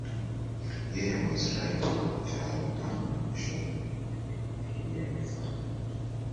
Je Waisraeli wapo tayari upande wa kushoto ndio afande